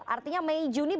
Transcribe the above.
artinya mei juni belum cair